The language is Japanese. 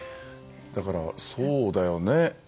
だからそうだよね。